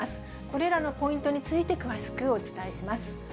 これらのポイントについて詳しくお伝えします。